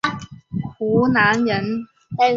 湖南人。